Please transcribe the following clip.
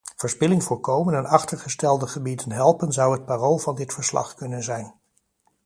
Verspilling voorkomen en achtergestelde gebieden helpen zou het parool van dit verslag kunnen zijn.